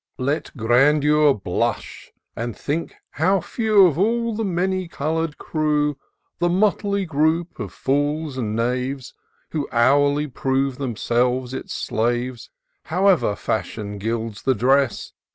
ET grandexir blush, and think how few Of all the many colour'd crew, The motley group of fools and knaves, Who hourly prove themselves its slaves, However fashion gilds the dress.